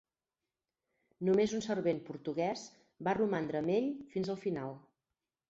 Només un servent portuguès va romandre amb ell fins al final.